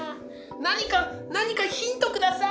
何か何かヒント下さい。